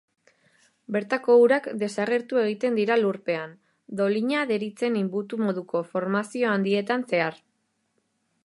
Bertako urak desagertu egiten dira lurpean, dolina deritzen inbutu moduko formazio handietan zehar.